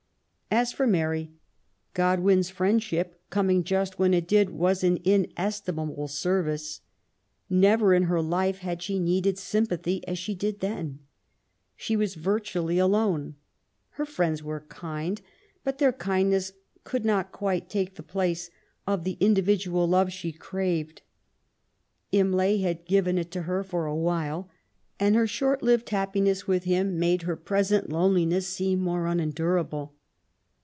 As for Mary, Godwin's friendship, coming just when it did, was an inestimable service. Never in all her life / had she needed sympathy as she did then. She was virtually alone. Her friends were kind, but their kindness could not quite take the place of the indivi* WILLIAM GODWIN. 183 dual love she craved. Imlay had given it to her for a while, and her short lived happiness with him made her present loneliness seem more unendurable.